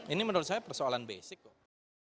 ini menurut saya persoalan basic kok